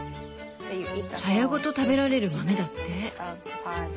サヤごと食べられる豆だって。